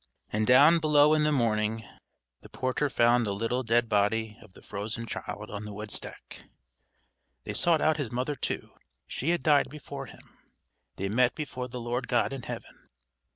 And down below in the morning the porter found the little dead body of the frozen child on the woodstack; they sought out his mother too.... She had died before him. They met before the Lord God in heaven.